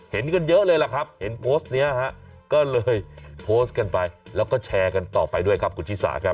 เห็นกันเยอะเลยล่ะครับเห็นโพสต์นี้ฮะก็เลยโพสต์กันไปแล้วก็แชร์กันต่อไปด้วยครับคุณชิสาครับ